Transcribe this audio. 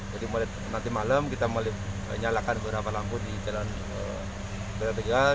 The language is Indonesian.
jadi nanti malam kita mulai menyalakan beberapa lampu di jalan kota tegal